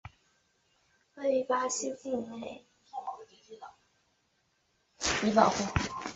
位于巴西境内的潘塔纳尔湿地部份被划为潘塔纳尔马托格罗索国家公国并加以保护。